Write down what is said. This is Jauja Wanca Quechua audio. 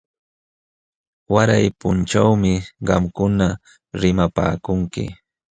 Walay punchawmi qamkuna limapaakunki.